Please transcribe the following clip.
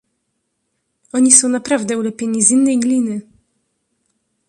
"Oni są naprawdę ulepieni z innej gliny“..."